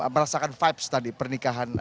merasakan vibes tadi pernikahan